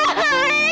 gimana dengan ini